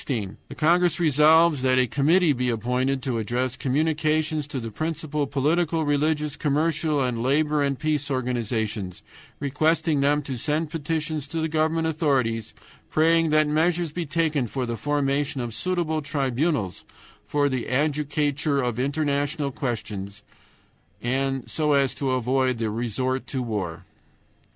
The congress resolves that a committee be appointed to address communications to the principal political, religious, commercial, and labor and peace organizations, requesting them to send petitions to the governmental authorities praying that measures be taken for the formation of suitable tribunals for the adjudicature of international questions so as to avoid the resort to war.